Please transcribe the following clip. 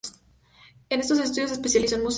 En esos estudios se especializó en Museos.